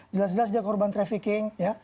jelas jelas dia korban trafficking